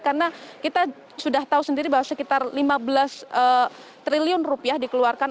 karena kita sudah tahu sendiri bahwa sekitar lima belas triliun rupiah dikeluarkan